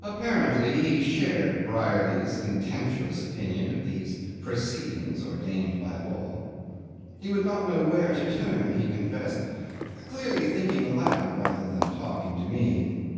'Apparently he shared Brierly's contemptuous opinion of these proceedings ordained by law. He would not know where to turn, he confessed, clearly thinking aloud rather than talking to me.